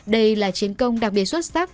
đây là chiến công đặc biệt xuất sắc